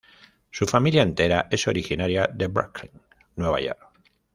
Su familia entera es originaria de Brooklyn, Nueva York.